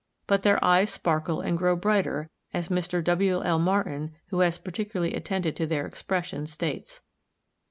But their eyes sparkle and grow brighter, as Mr. W. L. Martin, who has particularly attended to their expression, states.